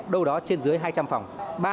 đâu đó trên dưới hai trăm linh phòng